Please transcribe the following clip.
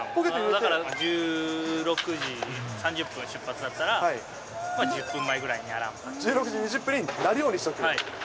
だから、１６時３０分出発だったら、１０分前ぐらいにアラームか１６時２０分に鳴るようにしはい。